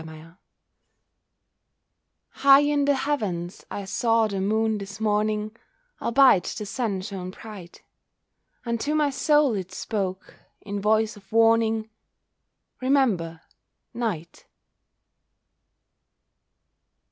WARNING High in the heavens I saw the moon this morning, Albeit the sun shone bright; Unto my soul it spoke, in voice of warning, "Remember Night!"